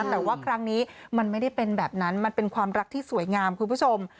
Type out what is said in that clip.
แต่ว่าครั้งนี้มันไม่ได้เป็นแบบนั้นมันเป็นความรักที่สวยงามคุณผู้ชม